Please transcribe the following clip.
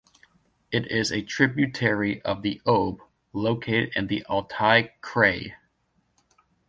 It is a tributary of the Ob, located in the Altai Krai.